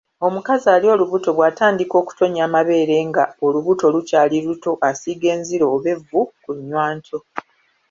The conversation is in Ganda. Omukazi ali olubuto bw'atandika okutonnya amabeere nga olubuto lukyali luto asiiga enziro oba evvu ku nnywanto.